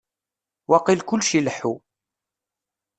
Waqil kullec ileḥḥu.